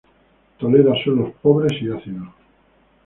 Tolera suelos pobres y ácidos.